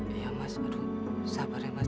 iya mas aduh sabar ya mas